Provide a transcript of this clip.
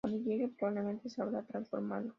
cuando llegue probablemente se habrá transformado